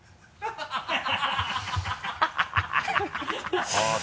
ハハハ